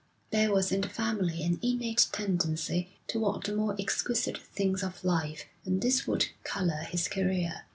There was in the family an innate tendency toward the more exquisite things of life, and this would colour his career.